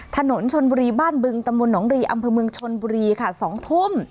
ถนนชนบุรีบ้านบึงตำบลหนองรีอำเภอเมืองชนบุรีค่ะ๒ทุ่ม